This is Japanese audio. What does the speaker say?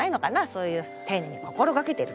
そういう丁寧に心がけてる。